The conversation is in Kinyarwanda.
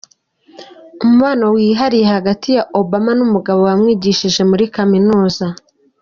Umubano wihariye hagati ya Obama n’umugabo wamwigishije muri kaminuza.